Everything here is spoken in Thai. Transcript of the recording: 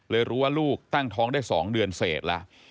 เลยรู้ว่าลูกตั้งท้องได้สองเดือนเศษละ